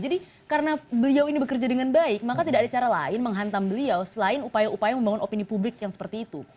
jadi karena beliau ini bekerja dengan baik maka tidak ada cara lain menghantam beliau selain upaya upaya membangun opini publik yang seperti itu